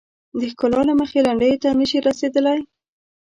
د ښکلا له مخې لنډیو ته نه شي رسیدلای.